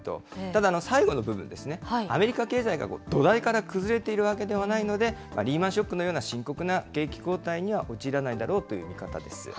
ただ、最後の部分ですね、アメリカ経済が土台から崩れているわけではないので、リーマンショックのような深刻な景気後退には陥らないだろうという見方です。